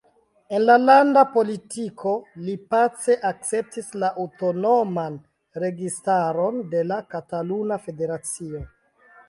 En la landa politiko, li pace akceptis la aŭtonoman registaron de la Kataluna Federacio.